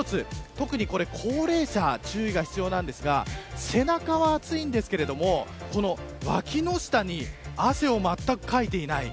特に高齢者に注意が必要ですが背中は熱いですが脇の下に汗をまったくかいていない。